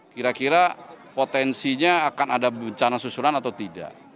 kira kira potensinya akan ada bencana susulan atau tidak